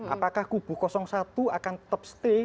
apakah kubu satu akan tetap stay